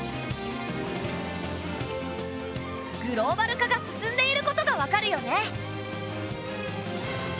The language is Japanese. グローバル化が進んでいることがわかるよね。